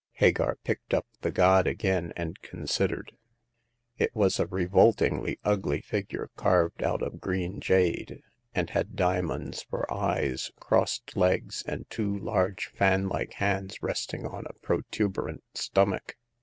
Hagar picked up the god again and considered. It was a revoltingly ugly figure carved out of green jade, and had diamonds for eyes, crossed legs, and two large, fan like hands resting on a protuberant stomach.